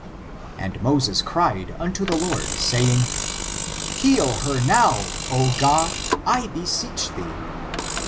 ♦••• And Moses cried unto the Lord, saying : heal her now, O God, I beseech thee.